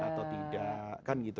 atau tidak kan gitu